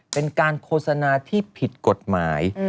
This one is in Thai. เป็นการโฆษณาที่ผิดกฎหมาย